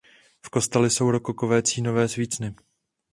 V kostele jsou rokokové cínové svícny.